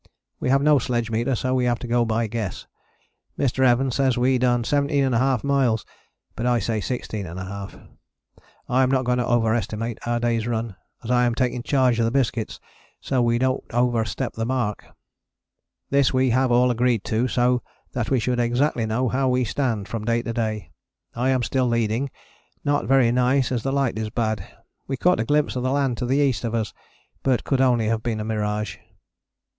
We have no sledge meter so we have to go by guess. Mr. Evans says we done 17½ miles, but I say 16½. I am not going to over estimate our day's run, as I am taking charge of the biscuits so that we dont over step the mark. This we have all agreed to so that we should exactly know how we stand, from day to day. I am still leading, not very nice as the light is bad. We caught a glimpse of the land to the east of us, but could only have been a mirage.